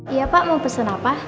iya pak mau pesen apa